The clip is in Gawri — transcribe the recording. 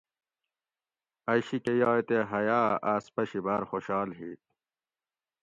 ائ شی کہۤ یائ تے حیا اۤ آس پشی باۤر خوشحال ہی